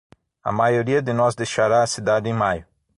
A maioria de nós deixará a cidade em maio.